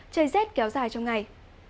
trời rét kéo dài trong ngày